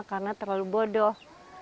karena terlalu bodoh